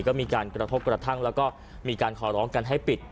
ก็มีการกระทบกระทั่งแล้วก็มีการขอร้องกันให้ปิด